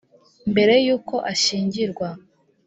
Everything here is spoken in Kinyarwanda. mbere y’uko ashyingirwa